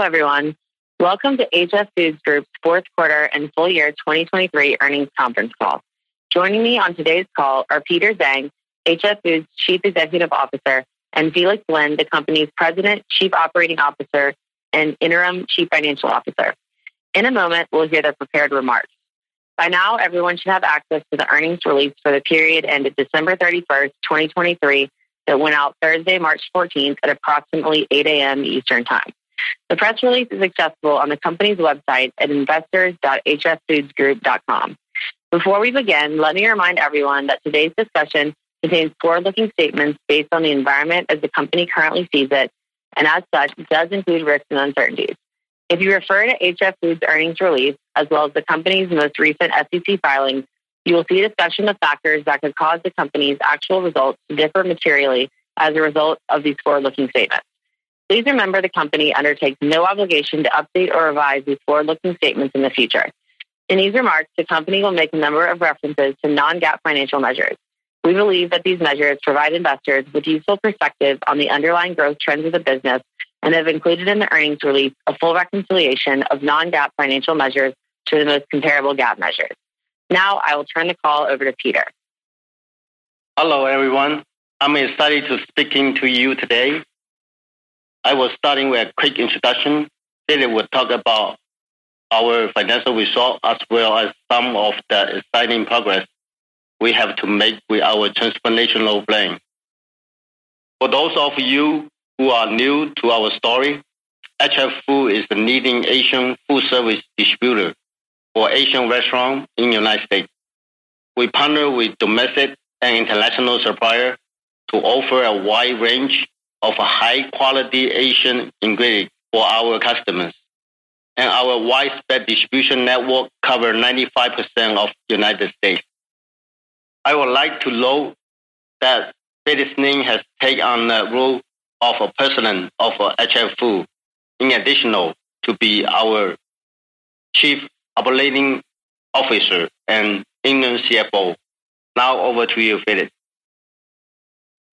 Hello everyone, welcome to HF Foods Group's fourth quarter and full year 2023 earnings conference call. Joining me on today's call are Peter Zhang, HF Foods Chief Executive Officer, and Felix Lin, the company's President, Chief Operating Officer, and Interim Chief Financial Officer. In a moment we'll hear their prepared remarks. By now everyone should have access to the earnings release for the period ended December 31, 2023 that went out Thursday, March 14 at approximately 8:00 A.M. Eastern Time. The press release is accessible on the company's website at investors.hffoodsgroup.com. Before we begin, let me remind everyone that today's discussion contains forward-looking statements based on the environment as the company currently sees it, and as such does include risks and uncertainties. If you refer to HF Foods' earnings release as well as the company's most recent SEC filing, you will see a discussion of factors that could cause the company's actual results to differ materially as a result of these forward-looking statements. Please remember the company undertakes no obligation to update or revise these forward-looking statements in the future. In these remarks, the company will make a number of references to non-GAAP financial measures. We believe that these measures provide investors with useful perspective on the underlying growth trends of the business and have included in the earnings release a full reconciliation of non-GAAP financial measures to the most comparable GAAP measures. Now I will turn the call over to Peter. Hello everyone, I'm excited to speak to you today. I will start with a quick introduction. Then I will talk about our financial result as well as some of the exciting progress we have to make with our transformational plan. For those of you who are new to our story, HF Foods is a leading Asian food service distributor for Asian restaurants in the United States. We partner with domestic and international suppliers to offer a wide range of high-quality Asian ingredients for our customers, and our widespread distribution network covers 95% of the United States. I would like to note that Felix Lin has taken on the role of President of HF Foods in addition to being our Chief Operating Officer and Interim CFO. Now over to you, Felix.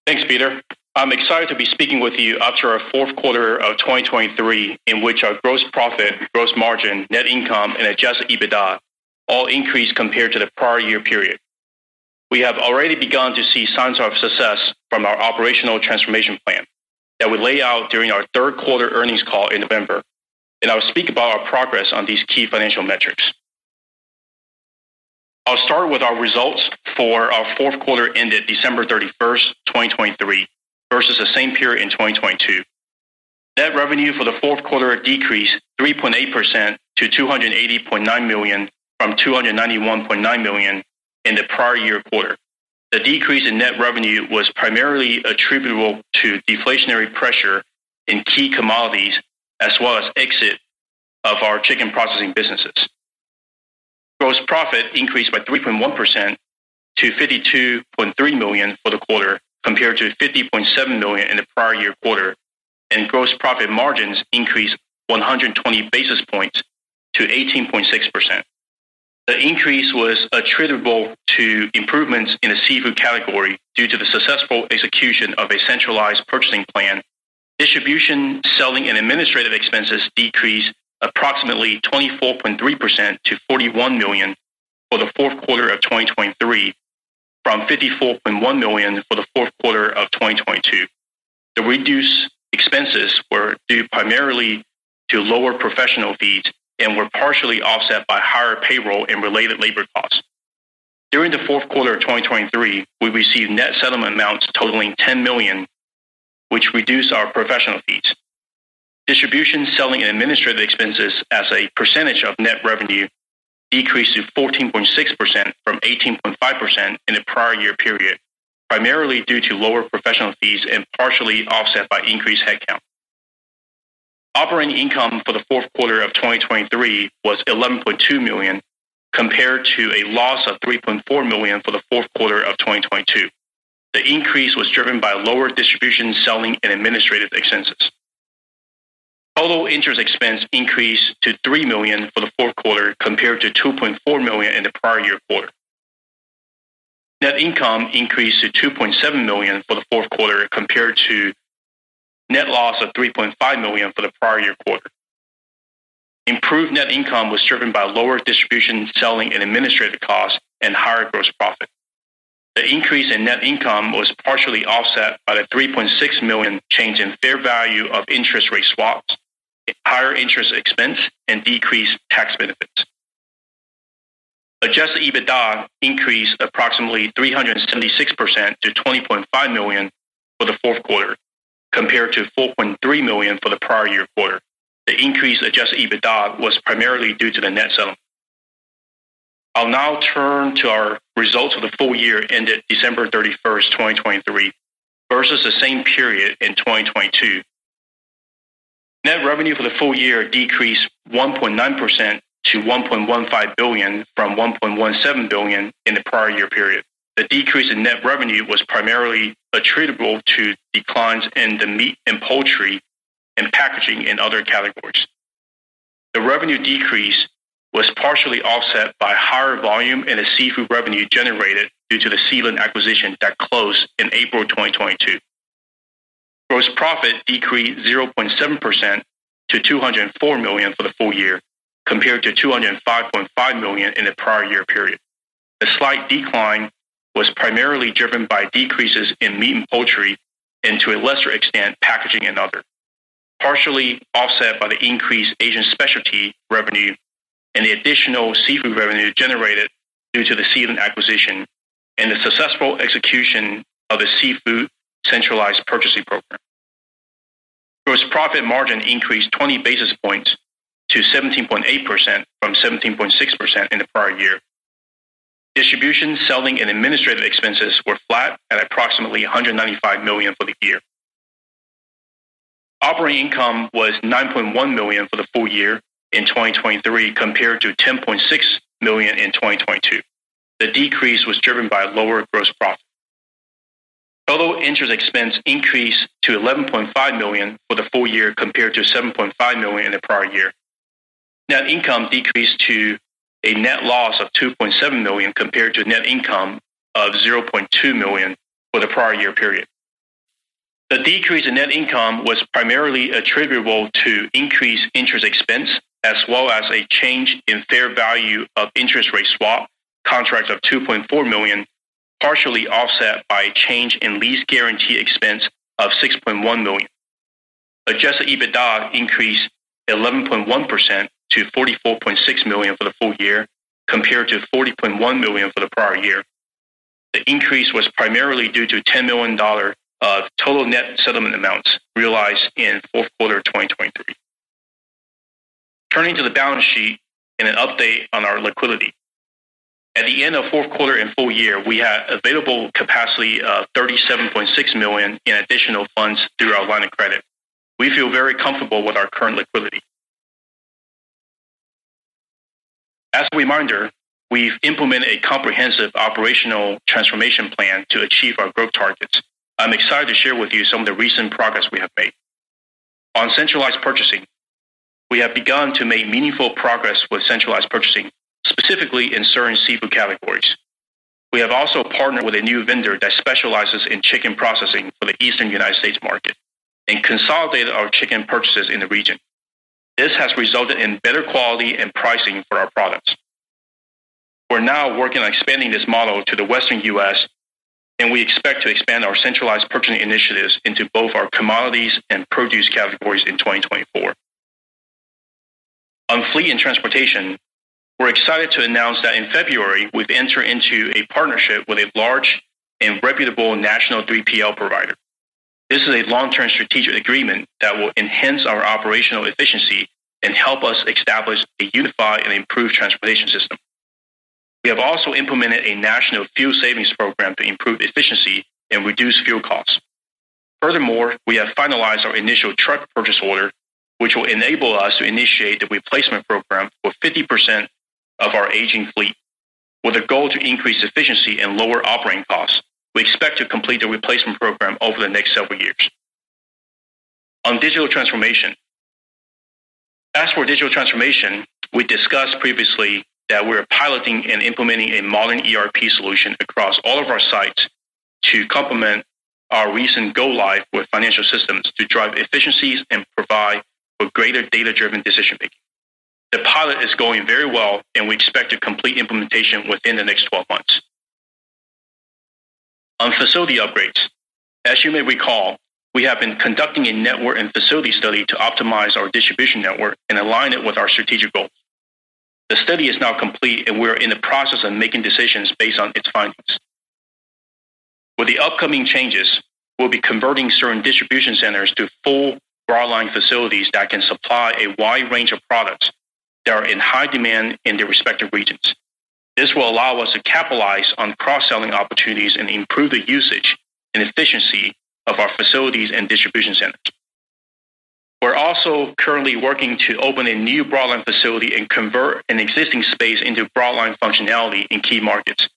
Thanks, Peter. I'm excited to be speaking with you after our fourth quarter of 2023 in which our gross profit, gross margin, net income, and Adjusted EBITDA all increased compared to the prior year period. We have already begun to see signs of success from our operational transformation plan that we laid out during our third quarter earnings call in November, and I will speak about our progress on these key financial metrics. I'll start with our results for our fourth quarter ended December 31, 2023 versus the same period in 2022. Net revenue for the fourth quarter decreased 3.8% to $280.9 million from $291.9 million in the prior year quarter. The decrease in net revenue was primarily attributable to deflationary pressure in key commodities as well as exit of our chicken processing businesses. Gross profit increased by 3.1% to $52.3 million for the quarter compared to $50.7 million in the prior year quarter, and gross profit margins increased 120 basis points to 18.6%. The increase was attributable to improvements in the seafood category due to the successful execution of a centralized purchasing plan. Distribution, selling, and administrative expenses decreased approximately 24.3% to $41 million for the fourth quarter of 2023 from $54.1 million for the fourth quarter of 2022. The reduced expenses were due primarily to lower professional fees and were partially offset by higher payroll and related labor costs. During the fourth quarter of 2023, we received net settlement amounts totaling $10 million, which reduced our professional fees. Distribution, selling, and administrative expenses as a percentage of net revenue decreased to 14.6% from 18.5% in the prior year period, primarily due to lower professional fees and partially offset by increased headcount. Operating income for the fourth quarter of 2023 was $11.2 million compared to a loss of $3.4 million for the fourth quarter of 2022. The increase was driven by lower distribution, selling, and administrative expenses. Total interest expense increased to $3 million for the fourth quarter compared to $2.4 million in the prior year quarter. Net income increased to $2.7 million for the fourth quarter compared to a net loss of $3.5 million for the prior year quarter. Improved net income was driven by lower distribution, selling, and administrative costs and higher gross profit. The increase in net income was partially offset by the $3.6 million change in fair value of interest rate swaps, higher interest expense, and decreased tax benefits. Adjusted EBITDA increased approximately 376% to $20.5 million for the fourth quarter compared to $4.3 million for the prior year quarter. The increased Adjusted EBITDA was primarily due to the net settlement. I'll now turn to our results for the full year ended December 31, 2023 versus the same period in 2022. Net revenue for the full year decreased 1.9% to $1.15 billion from $1.17 billion in the prior year period. The decrease in net revenue was primarily attributable to declines in the meat and poultry and packaging and other categories. The revenue decrease was partially offset by higher volume in the seafood revenue generated due to the Sealand acquisition that closed in April 2022. Gross profit decreased 0.7% to $204 million for the full year compared to $205.5 million in the prior year period. The slight decline was primarily driven by decreases in meat and poultry and to a lesser extent packaging and other, partially offset by the increased Asian specialty revenue and the additional seafood revenue generated due to the Sealand acquisition and the successful execution of the seafood centralized purchasing program. Gross profit margin increased 20 basis points to 17.8% from 17.6% in the prior year. Distribution, selling, and administrative expenses were flat at approximately $195 million for the year. Operating income was $9.1 million for the full year in 2023 compared to $10.6 million in 2022. The decrease was driven by lower gross profit. Total interest expense increased to $11.5 million for the full year compared to $7.5 million in the prior year. Net income decreased to a net loss of $2.7 million compared to net income of $0.2 million for the prior year period. The decrease in net income was primarily attributable to increased interest expense as well as a change in fair value of interest rate swap contracts of $2.4 million, partially offset by a change in lease guarantee expense of $6.1 million. Adjusted EBITDA increased 11.1% to $44.6 million for the full year compared to $40.1 million for the prior year. The increase was primarily due to $10 million of total net settlement amounts realized in fourth quarter 2023. Turning to the balance sheet and an update on our liquidity. At the end of fourth quarter and full year, we had available capacity of $37.6 million in additional funds through our line of credit. We feel very comfortable with our current liquidity. As a reminder, we've implemented a comprehensive operational transformation plan to achieve our growth targets. I'm excited to share with you some of the recent progress we have made. On centralized purchasing, we have begun to make meaningful progress with centralized purchasing, specifically in certain seafood categories. We have also partnered with a new vendor that specializes in chicken processing for the Eastern United States market and consolidated our chicken purchases in the region. This has resulted in better quality and pricing for our products. We're now working on expanding this model to the Western US, and we expect to expand our centralized purchasing initiatives into both our commodities and produce categories in 2024. On fleet and transportation, we're excited to announce that in February we've entered into a partnership with a large and reputable national 3PL provider. This is a long-term strategic agreement that will enhance our operational efficiency and help us establish a unified and improved transportation system. We have also implemented a national fuel savings program to improve efficiency and reduce fuel costs. Furthermore, we have finalized our initial truck purchase order, which will enable us to initiate the replacement program for 50% of our aging fleet. With the goal to increase efficiency and lower operating costs, we expect to complete the replacement program over the next several years. On digital transformation. As for digital transformation, we discussed previously that we are piloting and implementing a modern ERP solution across all of our sites to complement our recent go-live with financial systems to drive efficiencies and provide for greater data-driven decision-making. The pilot is going very well, and we expect to complete implementation within the next 12 months. On facility upgrades. As you may recall, we have been conducting a network and facility study to optimize our distribution network and align it with our strategic goals. The study is now complete, and we are in the process of making decisions based on its findings. With the upcoming changes, we'll be converting certain distribution centers to full broadline facilities that can supply a wide range of products that are in high demand in their respective regions. This will allow us to capitalize on cross-selling opportunities and improve the usage and efficiency of our facilities and distribution centers. We're also currently working to open a new broadline facility and convert an existing space into broadline functionality in key markets,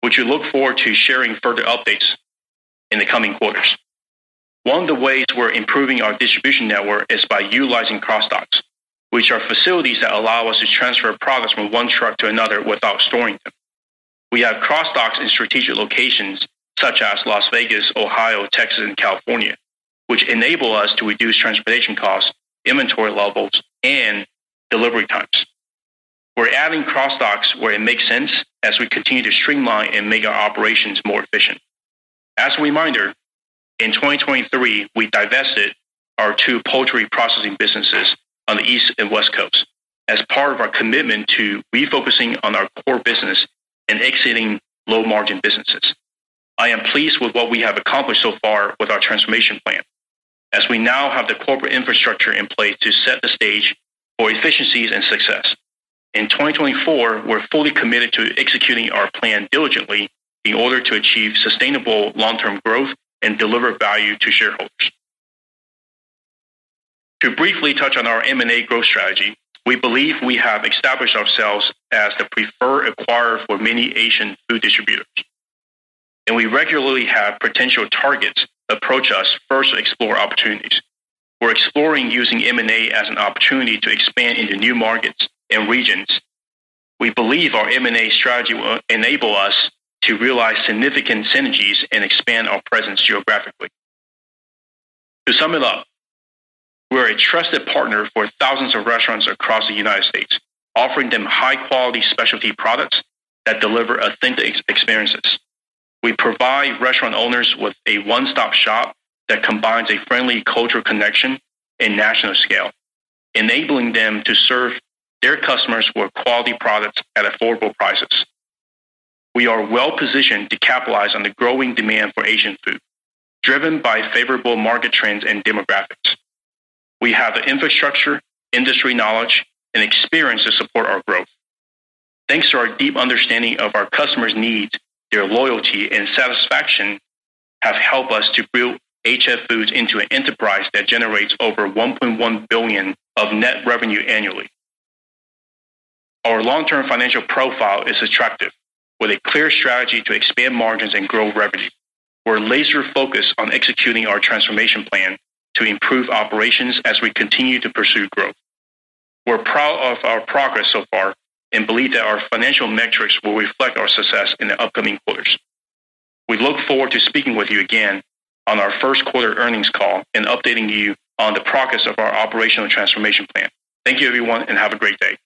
which we look forward to sharing further updates in the coming quarters. One of the ways we're improving our distribution network is by utilizing cross-docks, which are facilities that allow us to transfer products from one truck to another without storing them. We have cross-docks in strategic locations such as Las Vegas, Ohio, Texas, and California, which enable us to reduce transportation costs, inventory levels, and delivery times. We're adding cross-docks where it makes sense as we continue to streamline and make our operations more efficient. As a reminder, in 2023, we divested our two poultry processing businesses on the East and West Coast as part of our commitment to refocusing on our core business and exiting low-margin businesses. I am pleased with what we have accomplished so far with our transformation plan, as we now have the corporate infrastructure in place to set the stage for efficiencies and success. In 2024, we're fully committed to executing our plan diligently in order to achieve sustainable long-term growth and deliver value to shareholders. To briefly touch on our M&A growth strategy, we believe we have established ourselves as the preferred acquirer for many Asian food distributors, and we regularly have potential targets approach us first to explore opportunities. We're exploring using M&A as an opportunity to expand into new markets and regions. We believe our M&A strategy will enable us to realize significant synergies and expand our presence geographically. To sum it up, we're a trusted partner for thousands of restaurants across the United States, offering them high-quality specialty products that deliver authentic experiences. We provide restaurant owners with a one-stop shop that combines a friendly cultural connection and national scale, enabling them to serve their customers with quality products at affordable prices. We are well-positioned to capitalize on the growing demand for Asian food, driven by favorable market trends and demographics. We have the infrastructure, industry knowledge, and experience to support our growth. Thanks to our deep understanding of our customers' needs, their loyalty, and satisfaction have helped us to build HF Foods into an enterprise that generates over $1.1 billion of net revenue annually. Our long-term financial profile is attractive, with a clear strategy to expand margins and grow revenue. We're laser-focused on executing our transformation plan to improve operations as we continue to pursue growth. We're proud of our progress so far and believe that our financial metrics will reflect our success in the upcoming quarters. We look forward to speaking with you again on our first quarter earnings call and updating you on the progress of our operational transformation plan. Thank you, everyone, and have a great day.